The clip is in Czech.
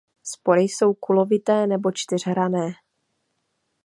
Spory jsou kulovité nebo čtyřhranné.